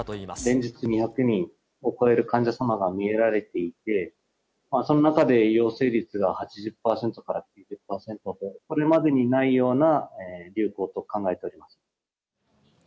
連日２００人を超える患者様がみえられていて、その中で陽性率が８０％から９０％と、これまでにないような流行と考えております。